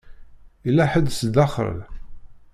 Yella ḥedd sdaxel?